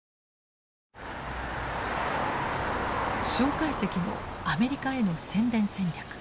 介石のアメリカへの宣伝戦略。